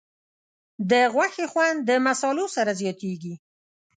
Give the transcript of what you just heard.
د غوښې خوند د مصالحو سره زیاتېږي.